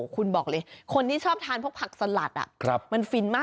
คุณบอกเลยคนที่ชอบทานพวกผักสลัดมันฟินมาก